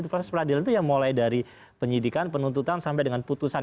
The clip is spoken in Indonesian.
proses peradilan itu ya mulai dari penyidikan penuntutan sampai dengan putusan